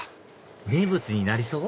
名物になりそう？